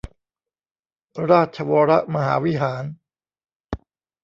ราชวรมหาวิหาร